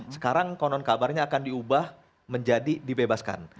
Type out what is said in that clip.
sekarang konon kabarnya akan diubah menjadi dibebaskan